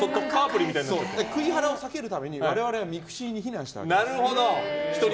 クイハラを避けるために我々はミクシィに避難したわけです。